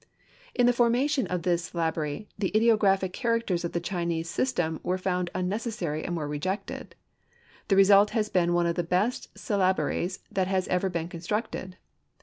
In the formation of this syllabary the ideographic characters of the Chinese system were found unnecessary and were rejected. The result has been one of the best syllabaries that has ever been constructed.